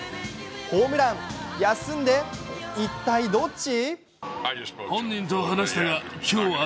ホームラン、休んで、一体どっち？